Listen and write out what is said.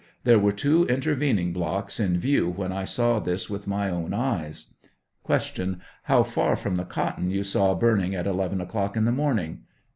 There were two intervening blocks in view when I saw this with my own eyes. Q. How far from the cotton you saw burning at 11 o'clock in the morning